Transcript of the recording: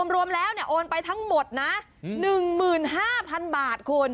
รวมแล้วโอนไปทั้งหมดนะ๑๕๐๐๐บาทคุณ